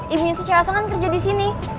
ibunya si cewek asongan kerja disini